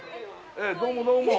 どうもどうも。